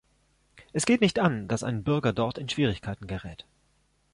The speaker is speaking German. Es geht nicht an, dass ein Bürger dort in Schwierigkeiten gerät.